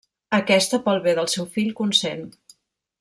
Aquesta, pel bé del seu fill consent.